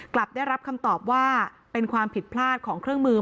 กลับได้รับคำตอบว่าเป็นความผิดพลาดของเครื่องมือ